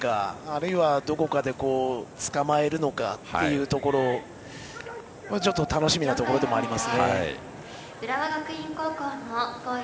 あるいは、どこかでつかまえるのかというところが楽しみなところでもあります。